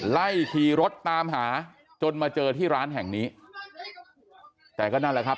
ไล่ขี่รถตามหาจนมาเจอที่ร้านแห่งนี้แต่ก็นั่นแหละครับ